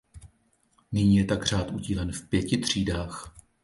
Nyní je tak řád udílen v pěti třídách.